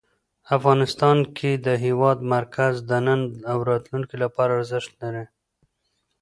افغانستان کې د هېواد مرکز د نن او راتلونکي لپاره ارزښت لري.